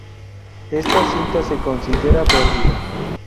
Esta cinta se considera perdida.